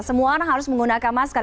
semua orang harus menggunakan masker